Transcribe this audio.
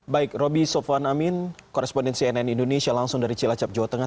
baik roby sofwan amin koresponden cnn indonesia langsung dari cilacap jawa tengah